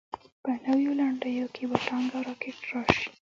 په نویو لنډیو کې به ټانک او راکټ راشي.